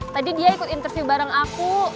tadi dia ikut interview bareng aku